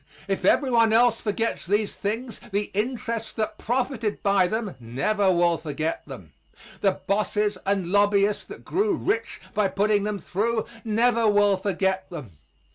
If everyone else forgets these things the interests that profited by them never will forget them. The bosses and lobbyists that grew rich by putting them through never will forget them.